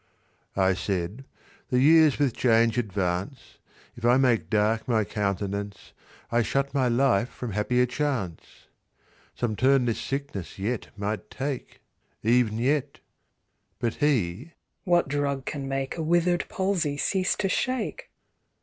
I said, "The years with change advance: If I make dark my countenance, I shut my life from happier chance. "Some turn this sickness yet might take, Ev'n yet." But he: "What drug can make A wither'd palsy cease to shake?"